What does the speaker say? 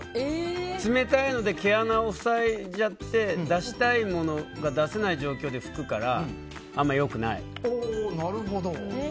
冷たいので毛穴を塞いじゃって出したいものが出せない状況で拭くからあんまり良くない。